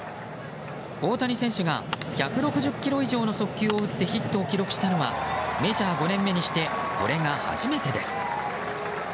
大谷選手が１６０キロ以上の速球を打ってヒットを記録したのはメジャー５年目にしてこれが初めてです。